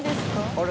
あれ？